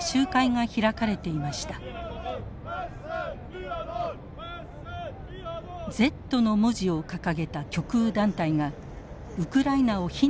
Ｚの文字を掲げた極右団体がウクライナを非難していたのです。